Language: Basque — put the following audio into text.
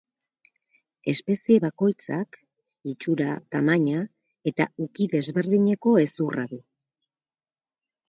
Espezie bakoitzak itxura, tamaina eta uki desberdineko hezurra du.